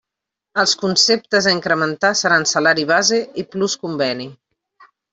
Els conceptes a incrementar seran salari base i plus conveni.